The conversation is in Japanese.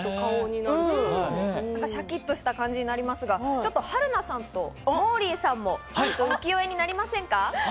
シャキっとした感じになりますが、春菜さんとモーリーさんも浮世絵になりませんか？